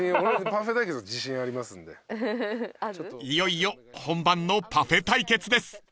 ［いよいよ本番のパフェ対決です］